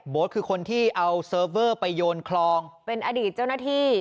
คือคนที่เอาเซิร์ฟเวอร์ไปโยนคลองเป็นอดีตเจ้าหน้าที่